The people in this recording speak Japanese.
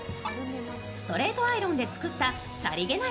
ストレートアイロンで作ったさりげない